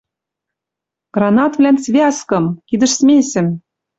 «Гранатвлӓн связкым! Кидӹш смесьӹм